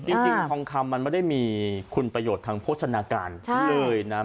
จริงทองคำมันไม่ได้มีคุณประโยชน์ทางโภชนาการเลยนะ